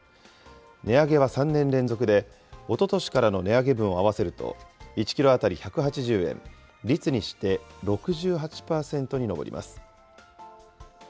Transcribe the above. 値上げは３年連続で、おととしからの値上げ分を合わせると、１キロ当たり１８０円、率にして６８％に上ります。